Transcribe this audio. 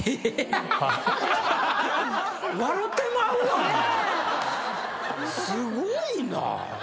すごいな！